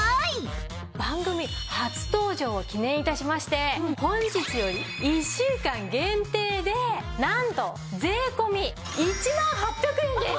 番組初登場を記念致しまして本日より１週間限定でなんと税込１万８００円です！